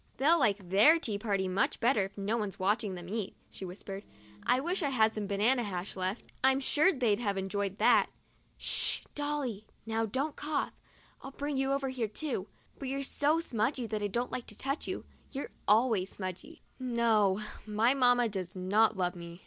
" They'll like their tea party much better if no one's watching them eat," she whispered. " I wish I had some banana hash left; I'm sure they'd have enjoyed that. Sh, Dolly! Now don't cough. I'd bring you over here too, but you're so smudgy that I don't like to touch you. You're always smudgy." No; my mamma does not love me.